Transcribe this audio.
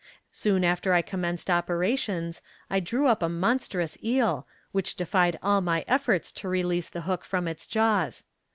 Soon after I commenced operations I drew up a monstrous eel, which defied all my efforts to release the hook from its jaws.